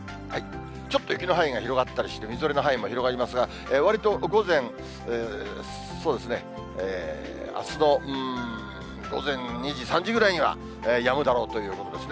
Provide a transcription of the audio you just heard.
ちょっと雪の範囲が広がったりして、みぞれの範囲も広がりますが、わりと午前、そうですね、あすの午前２時、３時ぐらいにはやむだろうということですね。